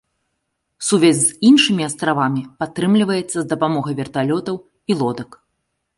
Сувязь з іншымі астравамі падтрымліваецца з дапамогай верталётаў і лодак.